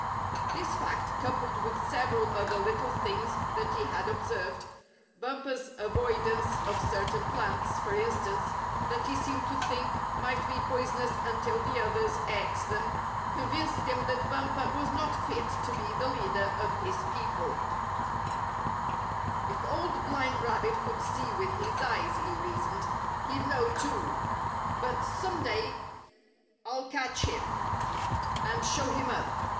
This fact, coupled with several other little things that he had observed, Bumper's avoidance of certain plants, for instance, that he seemed to think might be poisonous until the others ate 30 Spotted Tail Shows Enmity 31 them, convinced him that Bumper was not fit to be the leader of his people, " If Old Blind Rabbit could see with his eyes," he reasoned, ''he'd know, too. But some day I'll catch him, and show him up.